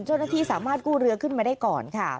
เจ้าหน้าที่สามารถกู้เรือขึ้นมาได้ก่อนค่ะ